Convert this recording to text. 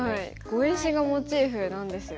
碁石がモチーフなんですよね。